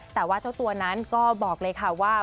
แต่ว่าเจ้าตัวนั้นก็บอกเลยค่ะว่า